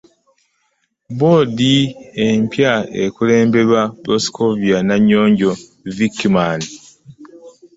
Bboodi empya ekulemberwa Proscovia Nanyonjo Vikman